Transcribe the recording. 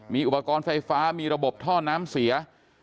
มีอุปกรณ์ไฟฟ้ามีระบบท่อน้ำเสีย